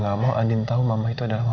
gak bisa terima cerita kamu